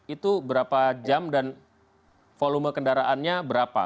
itu berapa jam dan volume kendaraannya berapa